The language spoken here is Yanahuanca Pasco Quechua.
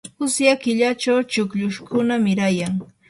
usya killachu chukllushkuna mirayan.